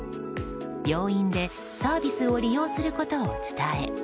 病院でサービスを利用することを伝え